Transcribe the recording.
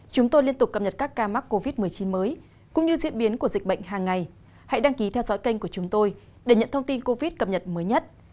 các bạn hãy đăng ký kênh của chúng tôi để nhận thông tin cập nhật mới nhất